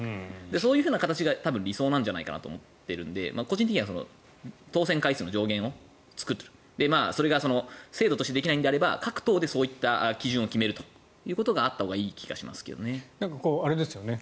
そういう形が理想だと思っているので個人的には当選回数の上限を作るそれが制度としてできないのであれば各党でそういう基準を決めるということがあったほうがいい気がしますけどね。